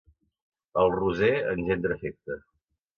El roser engendra afecte.